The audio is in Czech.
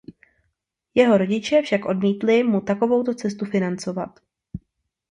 Jeho rodiče však odmítli mu takovouto cestu financovat.